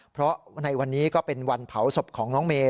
เพราะในวันนี้ก็เป็นวันเผาศพของน้องเมย